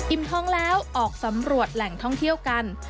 ท้องแล้วออกสำรวจแหล่งท่องเที่ยวกัน